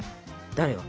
誰が？